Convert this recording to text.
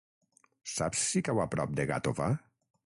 Saps si cau a prop de Gàtova?